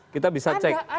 kita bisa tunjukkan